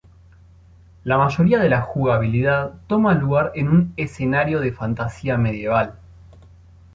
La mayoría de la jugabilidad toma lugar en un escenario de fantasía medieval.